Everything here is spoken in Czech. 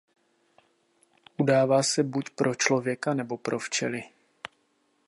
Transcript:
Udává se buď pro člověka nebo pro včely.